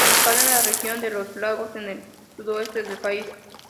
Ubicada en la región de los lagos, en el sudoeste del país.